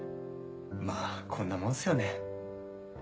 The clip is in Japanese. まぁこんなもんっすよね。